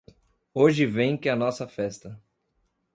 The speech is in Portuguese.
Hoje vem que a nossa festa.